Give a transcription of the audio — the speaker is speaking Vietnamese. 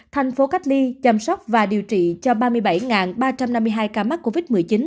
thành phố cách ly chăm sóc và điều trị cho ba mươi bảy ba trăm năm mươi hai ca mắc covid một mươi chín